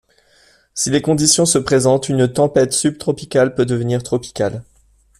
Si les conditions se présentent, une tempête subtropicale peut devenir tropicale.